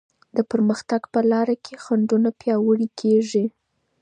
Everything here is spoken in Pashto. د پرمختګ په لاره کي خنډونه پیاوړې کيږي.